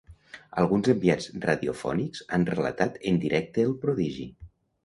Alguns enviats radiofònics han relatat en directe el prodigi.